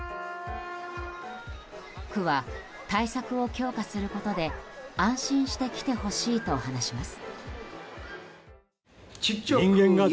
区は対策を強化することで安心して来てほしいと話します。